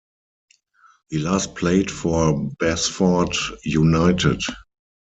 He last played for Basford United.